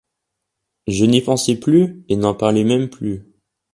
Je n'y pensais plus et n'en parlais même plus.